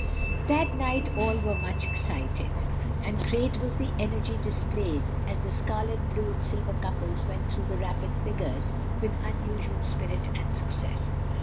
That night all were much excited, and great was the energy displayed as the scarlet, blue, and silver couples went through the rapid figures with unusual spirit and success.